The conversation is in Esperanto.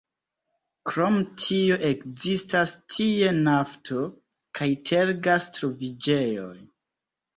Krom tio ekzistas tie nafto- kaj tergas-troviĝejoj.